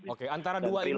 oke antara dua ini ya